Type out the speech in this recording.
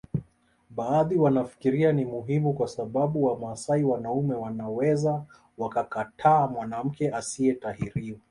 Baadhi wanafikiria ni muhimu kwa sababu Wamasai wanaume wanaweza wakakataa mwanamke asiyetahiriwa